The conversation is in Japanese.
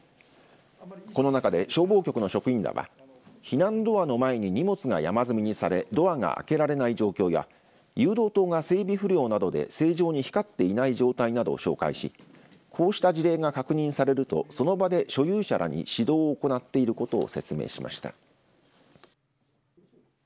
この中で、消防局の職員らは避難ドアの間に荷物が山積みされドアが開けられない状況や誘導灯が整備不良などで正常に光っていない状態などを紹介しこうした事例が確認されるとその場で所有者らに指導を行っていることを説明しました。